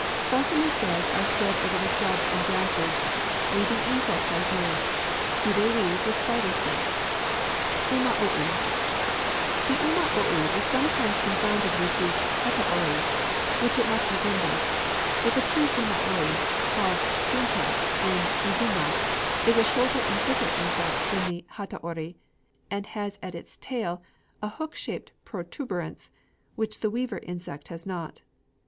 Gossamer threads are spread over the shrubs and grasses: Weaving insects I hear; do they weave with spider silk? Umaoi. The umaoi is sometimes confounded with the hataori, which it much resembles. But the true umaoi (called junta in Izumo) is a shorter and thicker insect than the hataori; and has at its tail a hook shaped protuberance, which the weaver insect has not.